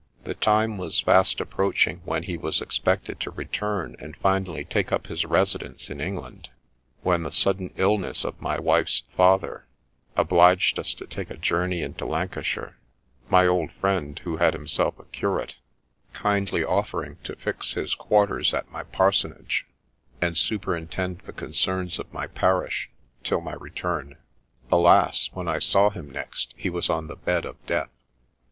The time was fast approaching when he was expected to return and finally take up his residence in England, when the sudden illness of my wife's father obliged us to take a journey into Lancashire, my old friend, who had himself a curate, kindly offering to fix his quarters at my parsonage, and superintend the concerns of my parish till my return. Alas ! when I saw him next he was on the bed of death